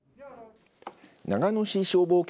長野市消防局